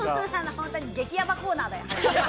本当に激ヤバコーナーだよ。